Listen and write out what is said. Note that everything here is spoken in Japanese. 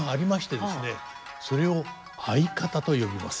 それを合方と呼びます。